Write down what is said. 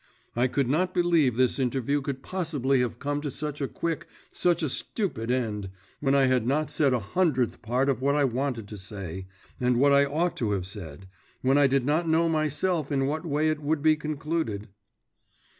I could not believe this interview could possibly have come to such a quick, such a stupid end, when I had not said a hundredth part of what I wanted to say, and what I ought to have said, when I did not know myself in what way it would be concluded.